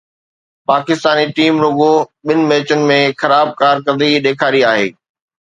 Pakistani team رڳو ٻن ميچن ۾ خراب ڪارڪردگي ڏيکاري آهي.